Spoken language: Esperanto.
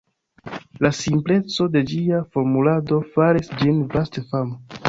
La simpleco de ĝia formulado faris ĝin vaste fama.